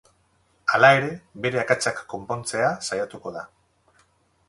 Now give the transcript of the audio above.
Hala ere, bere akatsak konpontzea saiatuko da.